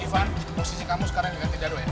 ivan posisi kamu sekarang diganti jadwal ya